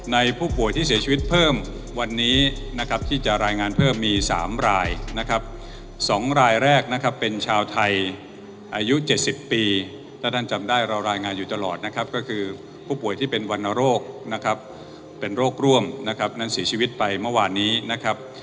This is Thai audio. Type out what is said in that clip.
ในผู้ป่วยที่เสียชีวิตเพิ่มวันนี้นะครับที่จะรายงานเพิ่มมี๓รายนะครับ๒รายแรกนะครับเป็นชาวไทยอายุ๗๐ปีถ้าท่านจำได้เรารายงานอยู่ตลอดนะครับก็คือผู้ป่วยที่เป็นวรรณโรคนะครับเป็นโรคร่วมนะครับนั้นเสียชีวิตไปเมื่อวานนี้นะครับ